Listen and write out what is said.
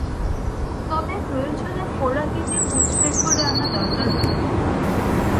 তবে প্রয়োজনে ফোড়া কেটে পুঁজ বের করে আনা দরকার হতে পারে।